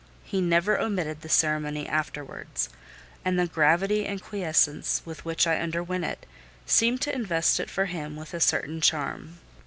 He never omitted the ceremony afterwards, and the gravity and quiescence with which I underwent it, seemed to invest it for him with a certain charm.